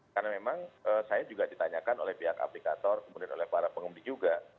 karena memang saya juga ditanyakan oleh pihak aplikator kemudian oleh para pengemudi juga